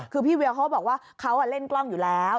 คือพี่เวียวเขาบอกว่าเขาเล่นกล้องอยู่แล้ว